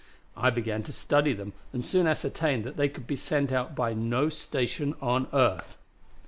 "I began to study them and soon ascertained that they could be sent out by no station on earth.